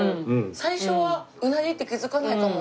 最初はうなぎって気づかないかも。